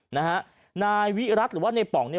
นะฮะนายวิรัติหรือว่าในป๋องเนี่ย